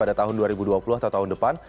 pada tahun dua ribu dua puluh atau tahun depan